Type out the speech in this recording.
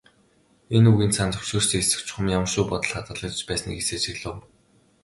Энэ үгийн цаана зөвшөөрсөн эсэх, чухам ямар шүү бодол хадгалагдаж байсныг эс ажиглав.